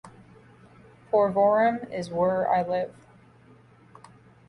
Porvorim is were I live.